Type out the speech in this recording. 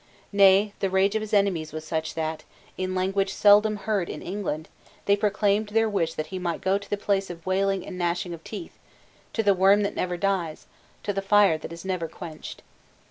Nay, the rage of his enemies was such that, in language seldom heard in England, they proclaimed their wish that he might go to the place of wailing and gnashing of teeth, to the worm that never dies, to the fire that is never quenched.